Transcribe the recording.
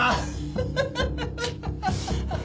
ハハハハ！